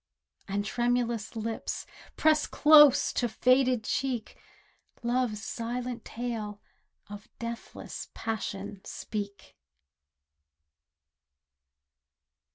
And tremulous lips, pressed close to faded cheek Love's silent tale of deathless passion speak.